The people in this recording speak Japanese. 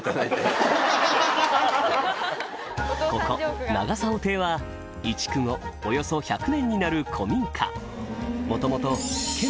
ここ長竿亭は移築後およそ１００年になる古民家